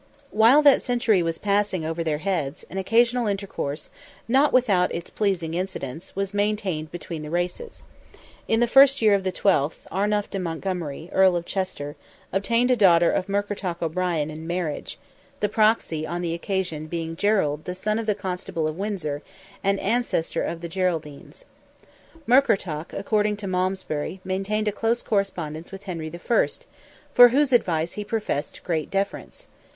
While that century was passing over their heads, an occasional intercourse, not without its pleasing incidents, was maintained between the races. In the first year of the twelfth, Arnulph de Montgomery, Earl of Chester, obtained a daughter of Murkertach O'Brien in marriage; the proxy on the occasion being Gerald, son of the Constable of Windsor, and ancestor of the Geraldines. Murkertach, according to Malmsbury, maintained a close correspondence with Henry I., for whose advice he professed great deference.